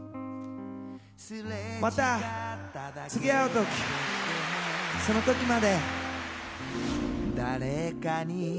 また次会うとき、そのときまで。